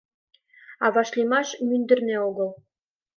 А вашлиймаш мӱндырнӧ огыл...